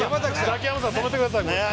ザキヤマさん止めてください。